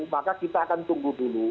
maka kita akan tunggu dulu